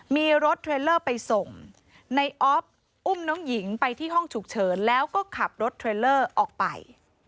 มีรถเทรลเลอร์ไปส่งในออฟอุ้มน้องหญิงไปที่ห้องฉุกเฉินแล้วก็ขับรถเทรลเลอร์ออกไป